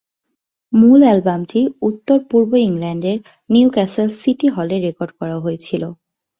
মূল অ্যালবামটি উত্তর-পূর্ব ইংল্যান্ডের নিউক্যাসল সিটি হলে রেকর্ড করা হয়েছিল।